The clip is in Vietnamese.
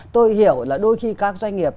tôi hiểu là đôi khi các doanh nghiệp